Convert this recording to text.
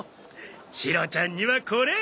シロちゃんにはこれ。